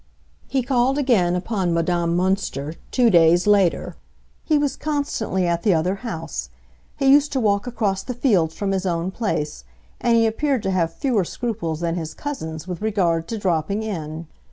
He called again upon Madame Münster, two days later. He was constantly at the other house; he used to walk across the fields from his own place, and he appeared to have fewer scruples than his cousins with regard to dropping in.